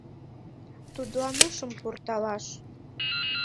Тудлан ушым пурталаш!